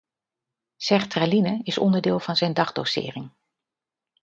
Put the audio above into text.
Sertraline is onderdeel van zijn dagdosering.